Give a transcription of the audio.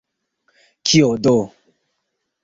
Kio do!